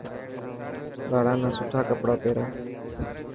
ٻاڙان نا سٺا ڪپڙا پيرا.